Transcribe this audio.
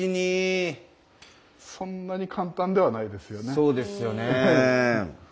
そうですよね。